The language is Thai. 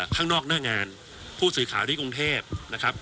ข้างนอกหน้างานผู้สื่อข่าวที่กรุงเทพนะครับ